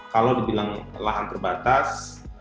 kalau dibilang lahan terbatas